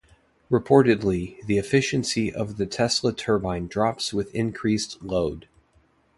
Reportedly, the efficiency of the Tesla turbine drops with increased load.